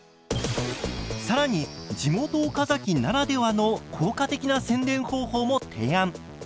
更に地元・岡崎ならではの効果的な宣伝方法も提案！